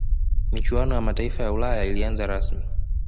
michuano ya mataifa ya ulaya ilianza rasmi